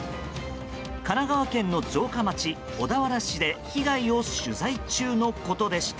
神奈川県の城下町小田原市で被害を取材中のことでした。